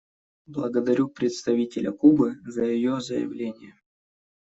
Благодарю представителя Кубы за ее заявление.